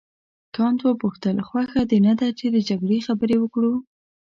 کانت وپوښتل خوښه دې نه ده چې د جګړې خبرې وکړو.